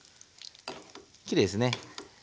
きれいですね。